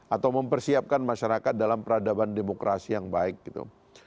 atau mempersiapkan masyarakat dalam peradaban demokrasi yang baik gitu